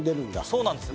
そうなんです。